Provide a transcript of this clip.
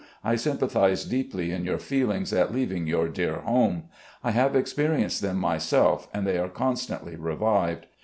I sym pathise deeply in your feelings at leaving your dear home. I have experienced them myself, and they are constantly revived.